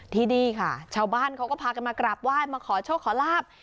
ที่นี่ค่ะชาวบ้านเขาก็พากันมากราบไหว้มาขอโชคขอลาบ